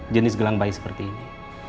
jenis gelang bayi seperti ini